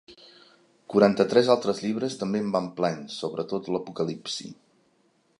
Quaranta-tres altres llibres també en van plens, sobretot l'Apocalipsi.